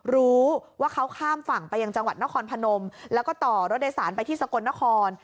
รู้ว่าเขาข้ามฝั่งไปยังจังหวัดนครพนมแล้วก็ต่อรถโดยสารไปที่สกลนคร